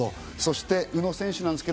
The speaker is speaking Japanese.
そして宇野選手。